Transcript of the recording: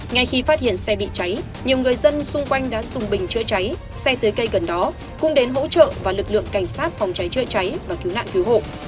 ngay khi phát hiện xe bị cháy nhiều người dân xung quanh đã dùng bình chữa cháy xe tưới cây gần đó cũng đến hỗ trợ và lực lượng cảnh sát phòng cháy chữa cháy và cứu nạn cứu hộ